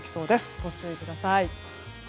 ご注意ください。